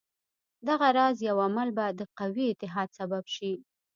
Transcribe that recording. دغه راز یو عمل به د قوي اتحاد سبب شي.